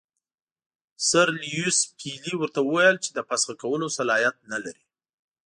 سر لیویس پیلي ورته وویل چې د فسخ کولو صلاحیت نه لري.